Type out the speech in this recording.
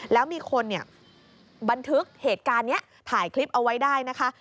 แล้วมีคนเนี่ยบันทึกเหตุการณ์นี้ถ่ายคลิปเอาไว้ได้นะคะ